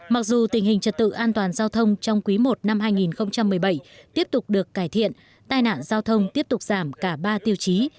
mặc dù tình hình trật tự an toàn giao thông trong quý i năm hai nghìn một mươi bảy tiếp tục được cải thiện tai nạn giao thông tiếp tục giảm cả ba tiêu chí